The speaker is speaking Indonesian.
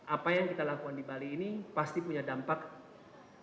apa yang kita lakukan di bali ini pasti punya dampak yang sangat penting